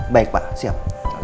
baik pak siap